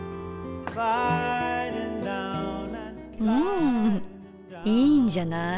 んいいんじゃない？